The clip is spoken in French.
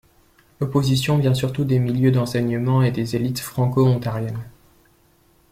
L'opposition vient surtout des milieux d'enseignement et des élites franco-ontariennes.